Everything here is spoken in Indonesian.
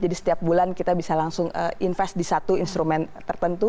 jadi setiap bulan kita bisa langsung investasi di satu instrumen tertentu